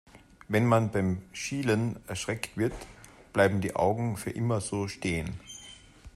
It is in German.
Wenn man beim Schielen erschreckt wird, bleiben die Augen für immer so stehen.